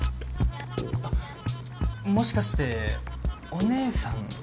あっもしかしてお姉さんとか？